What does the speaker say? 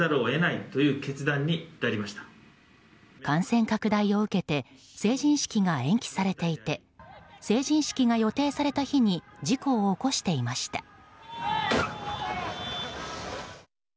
感染拡大を受けて成人式が延期されていて成人式が予定された日に事故を起こしていました。